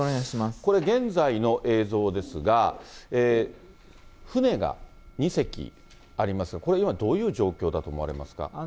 これ、現在の映像ですが、船が２隻ありますが、これ、今どういう状況だと思われますか？